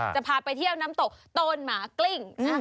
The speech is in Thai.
จะพาไปเที่ยวน้ำตกโตนหมากลิ้ง